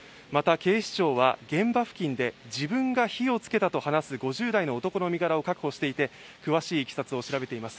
警視庁は現場付近で自分が火をつけたと話す５０代の男の身柄を確保していて詳しいいきさつを調べています。